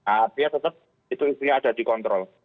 api tetap itu isinya ada dikontrol